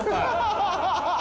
ハハハハ！